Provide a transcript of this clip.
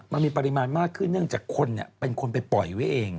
มันมีปริมาณมากขึ้นเนื่องจากคนเป็นคนไปปล่อยไว้เอง